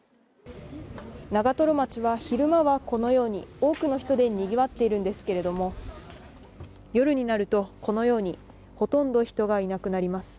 長瀞町は昼間はこのように、多くの人で賑わっているんですけれども夜になると、このように、ほとんど人がいなくなります。